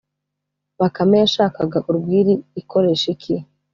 bakame yashakaga urwiri ikoresha iki?